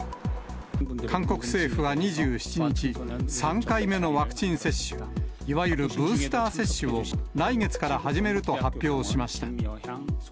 韓国政府は２７日、３回目のワクチン接種、いわゆるブースター接種を来月から始めると発表しました。